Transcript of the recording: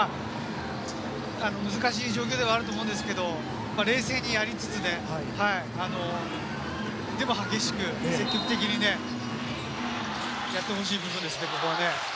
難しい状況ではあると思うんですけれども、冷静にやりつつ、でも激しく積極的にやってほしいところですね。